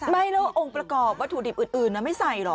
ไม่แล้วองค์ประกอบวัตถุดิบอื่นไม่ใส่เหรอ